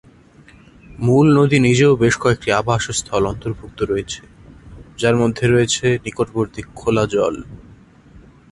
মূল নদী নিজেও বেশ কয়েকটি আবাসস্থল অন্তর্ভুক্ত রয়েছে, যার মধ্যে রয়েছে নিকটবর্তী খোলা জল।